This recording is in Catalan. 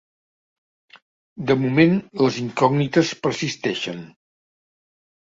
De moment les incògnites persisteixen.